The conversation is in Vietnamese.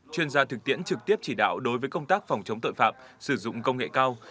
chuyên gia thực tiễn trực tiếp chỉ đạo đối với công tác phòng chống tội phạm sử dụng công nghệ cao